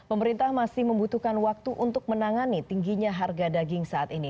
pemerintah masih membutuhkan waktu untuk menangani tingginya harga daging saat ini